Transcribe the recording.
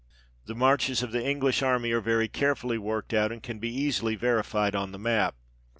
The marches of the English army are very carefully worked out, and can be easily verified on the map.